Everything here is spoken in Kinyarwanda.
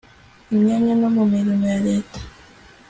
imyanya no mu mirimo ya leta